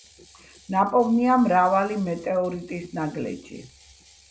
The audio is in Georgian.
ნაპოვნია მრავალი მეტეორიტის ნაგლეჯი.